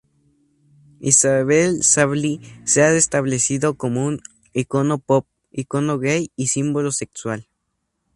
Isabel Sarli se ha establecido como un icono pop, icono gay, y símbolo sexual.